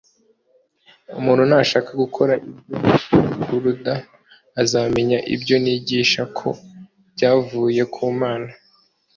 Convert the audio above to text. « Umuntu nashaka gukora ibyo Ikuruda, azamenya ibyo nigisha ko byavuye ku Mana ».